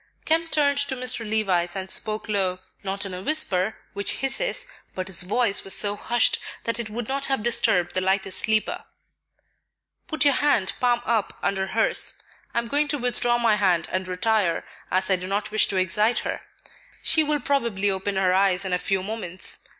Kemp turned to Mr. Levice and spoke low, not in a whisper, which hisses, but his voice was so hushed that it would not have disturbed the lightest sleeper. "Put your hand, palm up, under hers. I am going to withdraw my hand and retire, as I do not wish to excite her; she will probably open her eyes in a few moments.